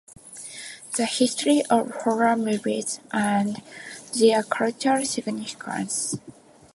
The history of horror movies and their cultural significance